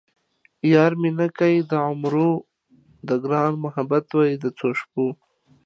یار مې نه کئ د عمرو ـ د ګران محبت وئ د څو شپو